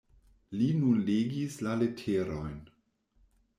Li nun legis la leterojn.